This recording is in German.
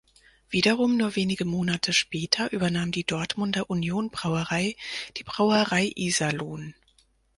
Wiederum nur wenige Monate später übernahm die Dortmunder Union-Brauerei die Brauerei Iserlohn.